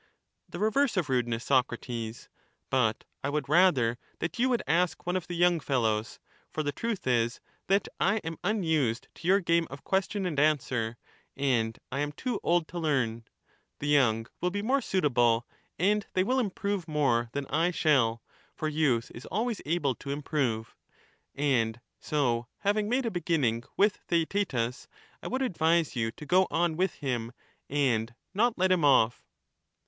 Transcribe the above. The reverse of rudeness, Socrates : but I would rather that you would ask one of the young fellows ; for the truth is, that I am unused to your game of question and answer, and I am too old to learn ; the young will be more suitable, and they will improve more than I shall, for youth is always able to improve. And so having made a beginning with Theaetetus, I would advise you to go on with him and not let him off.